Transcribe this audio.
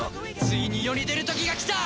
ついに世に出る時がきた！